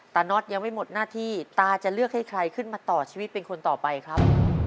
น็อตยังไม่หมดหน้าที่ตาจะเลือกให้ใครขึ้นมาต่อชีวิตเป็นคนต่อไปครับ